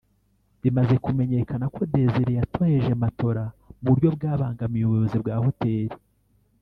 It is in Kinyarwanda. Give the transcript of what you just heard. Bimaze kumenyekana ko Desire yatoheje matora mu buryo bwabangamiye ubuyobozi bwa Hoteli